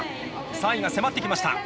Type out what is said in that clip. ３位が迫ってきました。